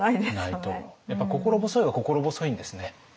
やっぱ心細いは心細いんですね。